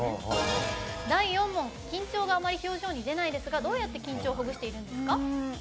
緊張があまり表情に出ませんがどうやって緊張をほぐしているんですか？